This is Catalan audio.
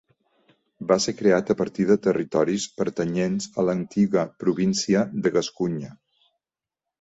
Va ser creat a partir de territoris pertanyents a l'antiga província de Gascunya.